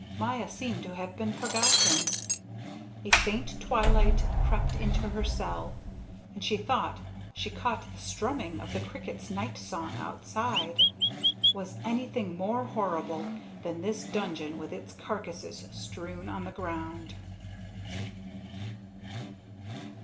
Maya seemed to have been forgotten. A faint twilight crept into her cell, and she thought she caught the strumming of the crickets' night song outside. Was anything more horrible than this dungeon with its carcasses strewn on the ground!